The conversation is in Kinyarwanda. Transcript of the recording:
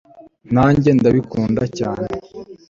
nanjye ndabikunda cyane